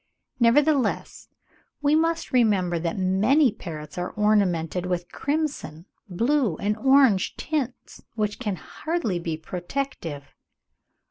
Nevertheless, we must remember that many parrots are ornamented with crimson, blue, and orange tints, which can hardly be protective.